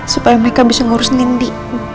supaya mereka bisa ngurus nindi